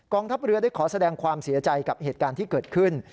ทัพเรือได้ขอแสดงความเสียใจกับเหตุการณ์ที่เกิดขึ้น